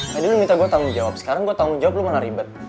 tadi lu minta gue tanggung jawab sekarang gue tanggung jawab lo mana ribet